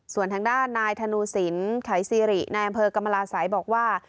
ส่วนทางด้านนายธนูสินไขซีริในอำเภอกรรมราศัยบอกว่า